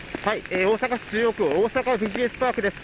大阪市中央区、大阪えびすパークです。